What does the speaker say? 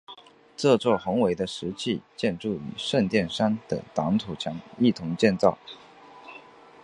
这座宏伟的石砌建筑与圣殿山的挡土墙一同建造。